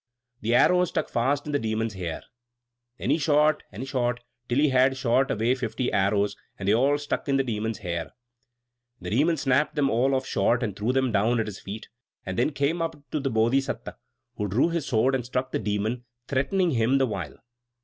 The arrow stuck fast in the Demon's hair. Then he shot and shot, till he had shot away fifty arrows; and they all stuck in the Demon's hair. The Demon snapped them all off short, and threw them down at his feet; then came up to the Bodhisatta, who drew his sword and struck the Demon, threatening him the while.